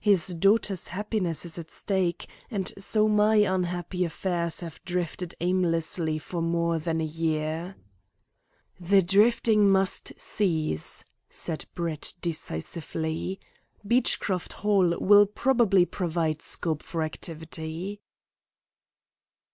His daughter's happiness is at stake, and so my unhappy affairs have drifted aimlessly for more than a year." "The drifting must cease," said Brett decisively. "Beechcroft Hall will probably provide scope for activity."